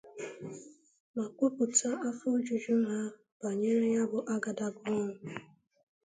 ma kwupụta afọ ojuju ha banyere ya bụ agadaga ọrụ